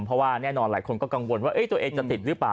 เพราะว่าแน่นอนหลายคนก็กังวลว่าตัวเองจะติดหรือเปล่า